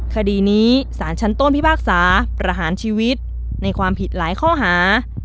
คดีนี้สารชั้นต้นพิพากษาประหารชีวิตในความผิดหลายข้อหา